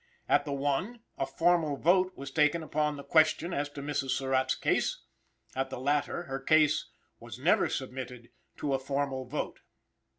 At the one, "a formal vote" was taken upon the "question as to Mrs. Surratt's case;" at the latter, her case "was never submitted to a formal vote."